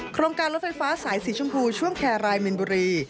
โครงการรถไฟฟ้าสายสีชมพูช่วงแคร์รายมินบุรี